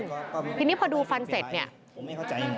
เขาบอกว่าเขาได้ยินเสียงคุณหมอพูดคุย